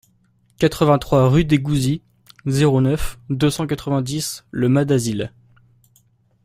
quatre-vingt-trois rue des Gouzis, zéro neuf, deux cent quatre-vingt-dix Le Mas-d'Azil